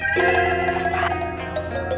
buat pak walu yo